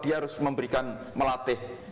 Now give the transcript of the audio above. dia harus memberikan melatih